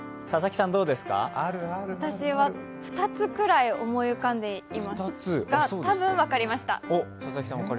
私は、２つくらい思い浮かんでいますが、たぶん分かりました。